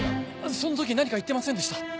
その時何か言ってませんでした？